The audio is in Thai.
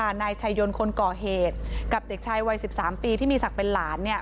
นายชายยนต์คนก่อเหตุกับเด็กชายวัย๑๓ปีที่มีศักดิ์เป็นหลาน